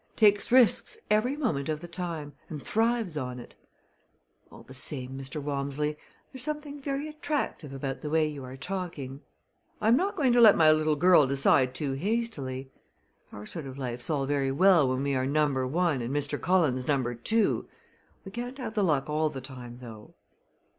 Takes risks every moment of the time and thrives on it. All the same, Mr. Walmsley, there's something very attractive about the way you are talking. I am not going to let my little girl decide too hastily. Our sort of life's all very well when we are number one and Mr. Cullen's number two. We can't have the luck all the time, though."